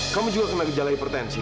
kamu juga kena gejala hipertensi